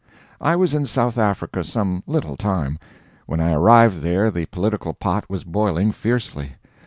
I was in South Africa some little time. When I arrived there the political pot was boiling fiercely.